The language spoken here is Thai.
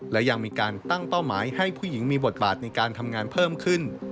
และยังมีการตั้งเป้าหมายให้ผู้หญิงมีบทบาทในการทำงานเพิ่มขึ้น